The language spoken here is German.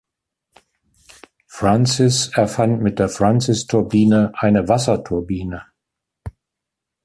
Francis erfand mit der Francis-Turbine eine Wasserturbine.